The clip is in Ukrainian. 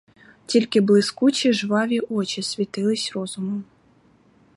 Тільки блискучі жваві очі світились розумом.